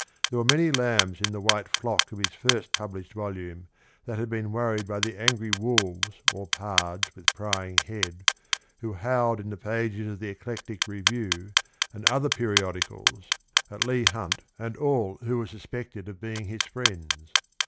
There were many lambs in the white flock of his first published volume that had been worried by the angry wolves or pards with prying head who howled in the pages of the Eclectic Review"^ and other periodicals at Leigh Hunt and all who were suspected of being his friends.